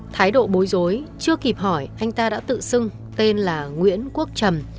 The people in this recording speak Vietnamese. thái độ bối rối chưa kịp hỏi anh ta đã tự xưng tên là nguyễn quốc trầm